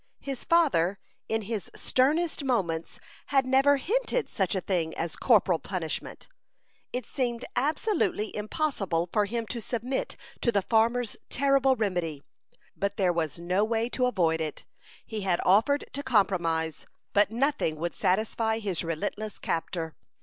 His father, in his sternest moments, had never hinted such a thing as corporal punishment. It seemed absolutely impossible for him to submit to the farmer's terrible remedy, but there was no way to avoid it. He had offered to compromise, but nothing would satisfy his relentless captor.